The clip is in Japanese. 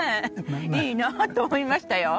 いいなと思いましたよ。